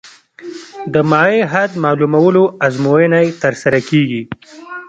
د مایع حد معلومولو ازموینه ترسره کیږي